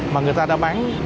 mà người ta đã bán